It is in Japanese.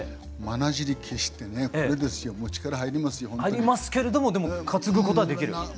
入りますけれどもでも担ぐことはできる？